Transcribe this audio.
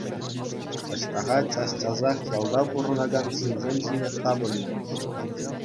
Аҫтаха час-часах ялта пурӑнакан ҫынсем ҫине тапӑннӑ.